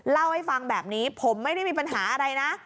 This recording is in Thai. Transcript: เล่าให้ฟังแบบนี้ผมไม่ได้มีปัญหาอะไรนะ